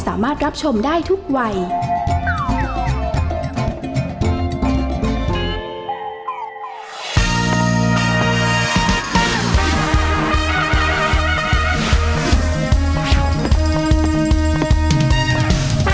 แม่บ้านประจันบรรสวัสดีค่ะ